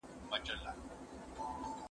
هغه څوک چي مطالعه کوي پوهه زياتوي!؟